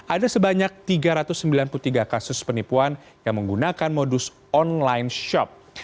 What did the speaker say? ada sebanyak tiga ratus sembilan puluh tiga kasus penipuan yang menggunakan modus online shop